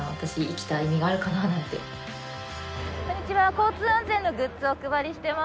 交通安全のグッズをお配りしてます。